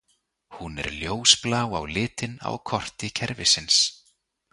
Hún er ljósblá á litinn á korti kerfisins.